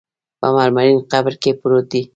په مرمرین قبر کې پروت دی.